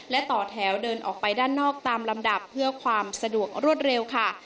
และต่อแถวเดินออกไปด้านนอกตามลำดับเพื่อความสะดวกรวดเร็วค่ะ